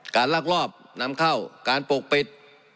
ลักลอบนำเข้าการปกปิด